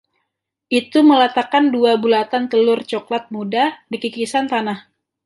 Itu meletakkan dua bulatan telur coklat muda di kikisan tanah.